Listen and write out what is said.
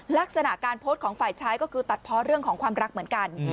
ลักษณะการโพสต์ของฝ่ายชายก็คือตัดเพราะเรื่องของความรักเหมือนกัน